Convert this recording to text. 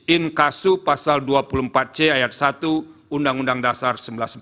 inkasu pasal dua puluh empat c ayat satu undang undang dasar seribu sembilan ratus empat puluh